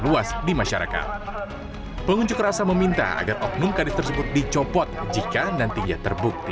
luas di masyarakat pengunjuk rasa meminta agar oknum kadis tersebut dicopot jika nantinya terbukti